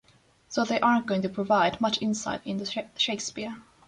So they aren't going to provide much insight into Shakespeare.